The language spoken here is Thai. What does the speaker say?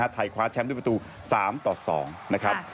ไทยคว้าแชมป์ด้วยประตู๓ต่อ๒นะครับ